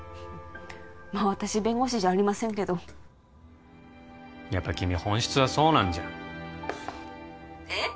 まあ私弁護士じゃありませんけどやっぱ君本質はそうなんじゃん☎えっ？